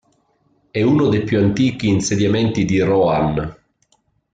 È uno dei più antichi insediamenti di Rohan.